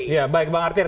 ya baik bang artir